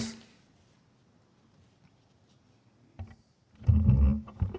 terima kasih pak ketua